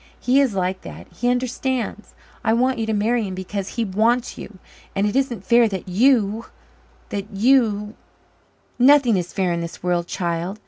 He is like that he understands! I want you to marry him because he wants you, and it isn't fair that you that you " "Nothing is fair in this world, child.